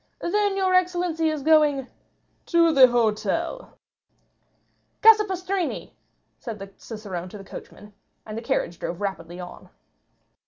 "Then your excellency is going——" "To the hotel." "Casa Pastrini!" said the cicerone to the coachman, and the carriage drove rapidly on.